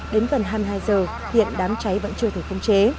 đến gần hai mươi hai h hiện đám cháy vẫn chưa thể phong chế